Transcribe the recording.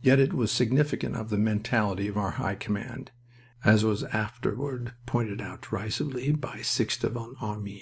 Yet it was significant of the mentality of our High Command, as was afterward pointed out derisively by Sixte von Arnim.